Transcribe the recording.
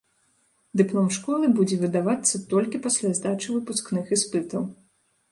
Дыплом школы будзе выдавацца толькі пасля здачы выпускных іспытаў.